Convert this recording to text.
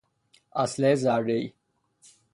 اسلحه ذرهای